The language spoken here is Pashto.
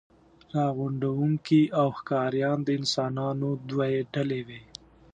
راغونډوونکي او ښکاریان د انسانانو دوې ډلې وې.